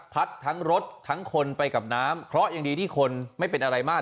ทั้งรถทั้งคนไปกับน้ำเพราะยังดีที่คนไม่เป็นอะไรมาก